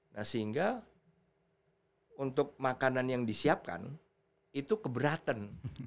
nah sehingga untuk makanan yang disiapkan itu keberatan